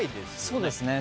そうですね。